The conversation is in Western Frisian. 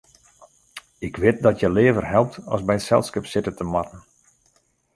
Ik wit dat hja leaver helpt as by it selskip sitte te moatten.